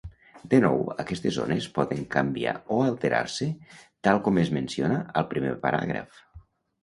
De nou, aquestes zones poden canviar o alterar-se, tal com es menciona al primer paràgraf.